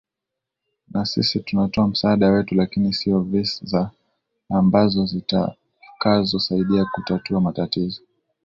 na sisi tunatoa msaada wetu lakini sio viza ambazo zitakazo saidia kutatua matatizo